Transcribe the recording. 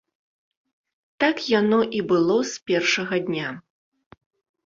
Так яно і было з пешага дня.